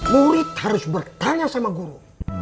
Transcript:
murid harus bertanya sama guru